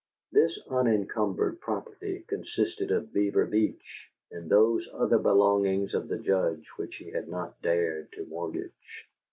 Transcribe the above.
This unencumbered property consisted of Beaver Beach and those other belongings of the Judge which he had not dared to mortgage.